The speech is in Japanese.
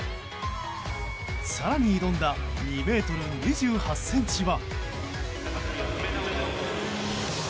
更に挑んだ、２ｍ２８ｃｍは。